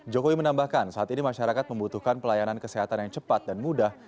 jokowi menambahkan saat ini masyarakat membutuhkan pelayanan kesehatan yang cepat dan mudah